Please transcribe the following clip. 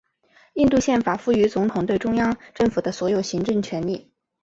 印度宪法赋予总统对中央政府的所有行政权力。